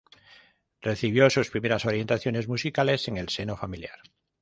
Recibió sus primeras orientaciones musicales en el seno familiar.